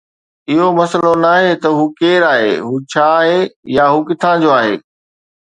اهو مسئلو ناهي ته هو ڪير آهي، هو ڇا آهي، يا هو ڪٿان جو آهي.